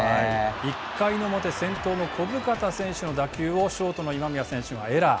１回表、先頭の小深田選手の打球をショートの今宮選手がエラー。